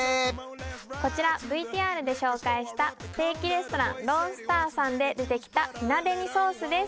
こちらＶＴＲで紹介したステーキレストランローンスターさんで出てきたフィナデニソースです